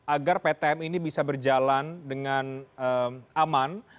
agar ptm ini bisa berjalan dengan aman